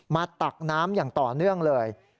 ตักน้ำอย่างต่อเนื่องเลย